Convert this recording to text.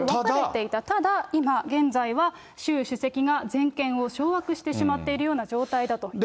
ただ、今、現在は、習主席が全権を掌握してしまっているような状態だと。